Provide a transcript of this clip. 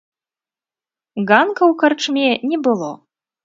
Ганка ў карчме не было.